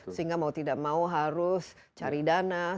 sehingga mau tidak mau harus cari dana